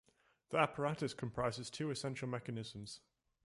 The apparatus comprises two essential mechanisms.